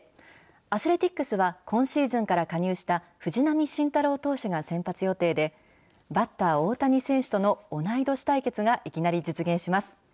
アスレティックスは、今シーズンから加入した藤浪晋太郎投手が先発予定で、バッター、大谷選手との、同い年対決がいきなり実現します。